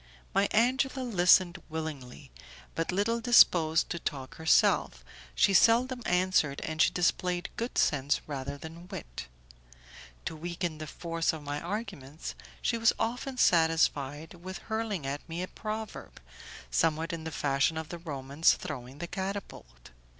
My Angela listened willingly, but little disposed to talk herself, she seldom answered, and she displayed good sense rather than wit. To weaken the force of my arguments, she was often satisfied with hurling at me a proverb, somewhat in the fashion of the Romans throwing the catapult.